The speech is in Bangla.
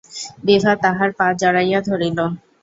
বিভা তাঁহার পা জড়াইয়া ধরিল।